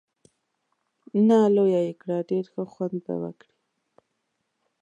نه، لویه یې کړه، ډېر ښه خوند به وکړي.